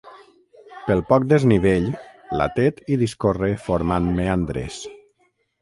Pel poc desnivell, la Tet hi discorre formant meandres.